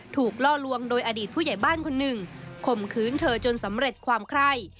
ล่อลวงโดยอดีตผู้ใหญ่บ้านคนหนึ่งข่มขืนเธอจนสำเร็จความไคร่